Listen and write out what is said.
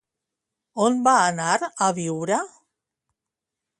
On va anar a viure?